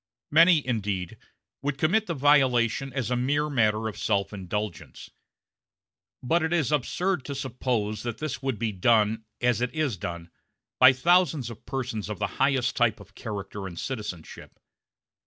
Many, indeed, would commit the violation as a mere matter of self indulgence; but it is absurd to suppose that this would be done, as it is done, by thousands of persons of the highest type of character and citizenship.